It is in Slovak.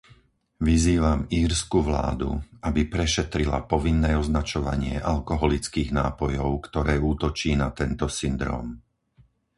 Vyzývam írsku vládu, aby prešetrila povinné označovanie alkoholických nápojov, ktoré útočí na tento syndróm.